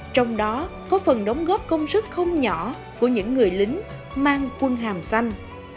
trong đó có phần đóng góp công sức không nhỏ của những người lính mang quân hàm xanh